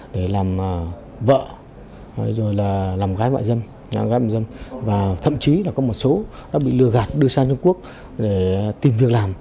để làm vợ rồi là làm gái bạn dân và thậm chí là có một số đã bị lừa gạt đưa sang trung quốc để tìm việc làm